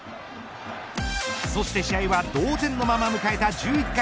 そして試合は同点のまま迎えた１１回。